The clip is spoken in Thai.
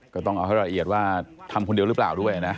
ก็ต้องเอาให้ละเอียดว่าทำคนเดียวหรือเปล่าด้วยนะ